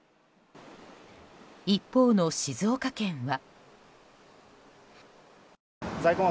一方の静岡県は。